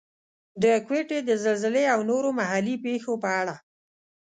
د کوټې د زلزلې او نورو محلي پېښو په اړه.